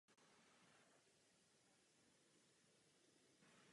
Je to poslední album u vydavatelství Koch Records.